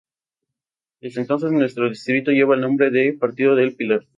Desde entonces nuestro Distrito lleva el nombre de Partido del Pilar.